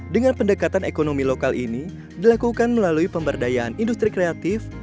dengan pendekatan ekonomi lokal ini dilakukan melalui pemberdayaan industri kreatif